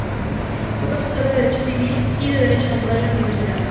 Fue profesor de derecho civil y de derecho natural en la Universidad.